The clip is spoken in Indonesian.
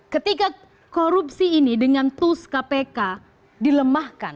ketika korupsi ini dengan tools kpk dilemahkan